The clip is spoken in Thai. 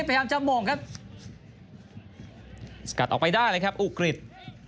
เสกัดออกไปได้เลยครับอุหกฤทย์